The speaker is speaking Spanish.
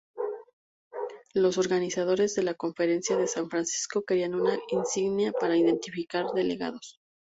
Los organizadores de la conferencia de San Francisco querían una insignia para identificar delegados.